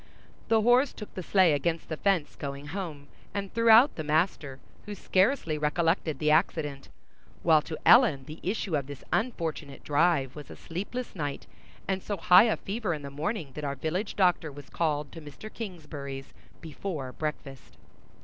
The horse took the sleigh against the fence, going home, and threw out the master, who scarcely recollected the accident; while to Ellen the issue of this unfortunate drive was a sleepless night and so high a fever in the morning that our village doctor was called to Mr. Kingsbury's before breakfast.